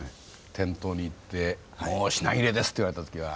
店頭に行って「もう品切れです」と言われた時は。